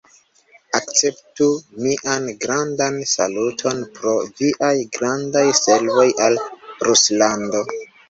Akceptu nian grandan saluton pro viaj grandaj servoj al Ruslando!